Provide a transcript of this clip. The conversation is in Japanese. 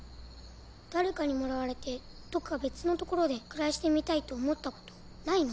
誰かにもらわれてどっか別の所で暮らしてみたいと思ったことないの？